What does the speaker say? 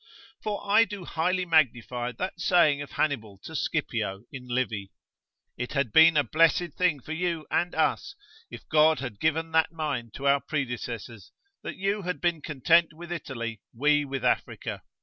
For I do highly magnify that saying of Hannibal to Scipio, in Livy, It had been a blessed thing for you and us, if God had given that mind to our predecessors, that you had been content with Italy, we with Africa.